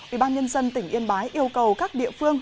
ủy ban nhân dân tỉnh yên bái yêu cầu các địa phương